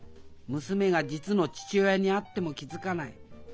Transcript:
娘が実の父親に会っても気付かない。